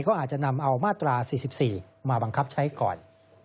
เขาอาจจะนำเอามาตรา๔๔มาบังคับใช้ก่อน